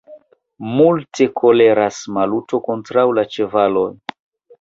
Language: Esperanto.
Multe koleras Maluto kontraŭ la ĉevaloj.